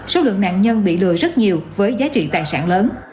số lượng nạn nhân bị lừa rất nhiều với giá trị tài sản lớn